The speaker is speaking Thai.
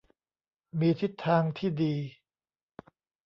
มีทิศทางที่ดี